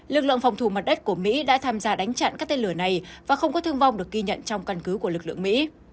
lực lượng phòng thủ mặt đất của mỹ đã tham gia đánh chặn các tên lửa này và không có thương vong được ghi nhận trong căn cứ của lực lượng mỹ